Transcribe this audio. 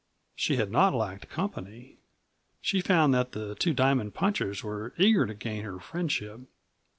She had not lacked company. She found that the Two Diamond punchers were eager to gain her friendship.